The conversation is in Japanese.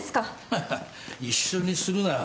ハハッ一緒にするな。